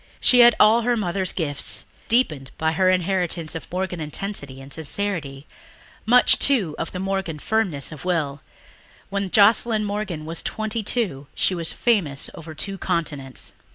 She had all her mother's gifts, deepened by her inheritance of Morgan intensity and sincerity ... much, too, of the Morgan firmness of will. When Joscelyn Morgan was twenty two she was famous over two continents.